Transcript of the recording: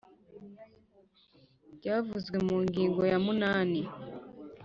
byavuzwe mu ngingo ya munani